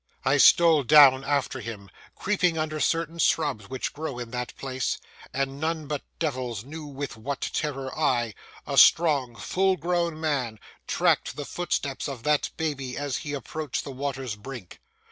I stole down after him, creeping under certain shrubs which grow in that place, and none but devils know with what terror I, a strong, full grown man, tracked the footsteps of that baby as he approached the water's brink.